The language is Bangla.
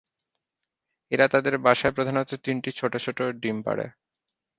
এরা তাদের বাসায় প্রধানত তিনটি ছোটো ছোটো ডিম পাড়ে।